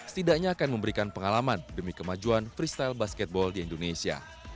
setidaknya akan memberikan pengalaman demi kemajuan freestyle basketball di indonesia